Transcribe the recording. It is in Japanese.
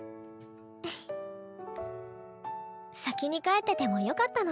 先に帰っててもよかったのに。